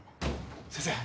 ・先生！